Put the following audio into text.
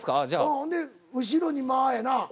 ほんで後ろに「マ」やな。